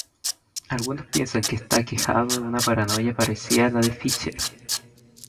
Algunos piensan que está aquejado de una paranoia parecida a la de Fischer.